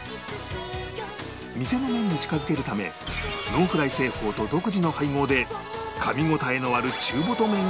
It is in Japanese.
店の麺に近づけるためノンフライ製法と独自の配合で噛み応えのある中太麺を実現